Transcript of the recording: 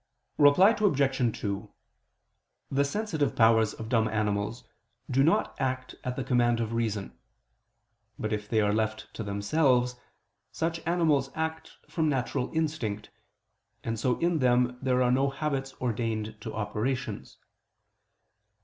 Reply Obj. 2: The sensitive powers of dumb animals do not act at the command of reason; but if they are left to themselves, such animals act from natural instinct: and so in them there are no habits ordained to operations.